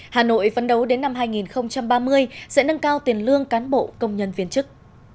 hà nội vấn đấu đến năm hai nghìn ba mươi sẽ nâng cao tiền lương cán bộ công nhân viên chức